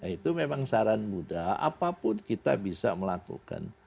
itu memang saran buddha apapun kita bisa melakukan